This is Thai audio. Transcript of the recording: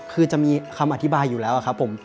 คือจะมีคำอธิบายอยู่แล้วครับผม